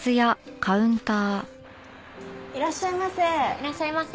いらっしゃいませ。